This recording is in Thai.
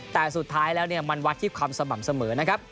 แต่สุดท้ายแล้วมันวัดที่ความสม่ำเสมอนะครับ